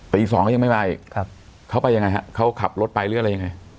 ตี๒ยังไม่มาอีกเขาไปยังไงครับเขาขับรถไปหรืออะไรยังไง